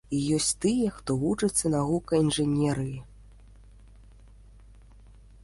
І ёсць тыя, хто вучыцца на гукаінжынерыі.